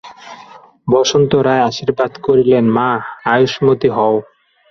বসন্ত রায় আশীর্বাদ করিলেন, মা, আয়ুষ্মতী হও।